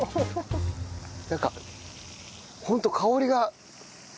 なんかホント香りが。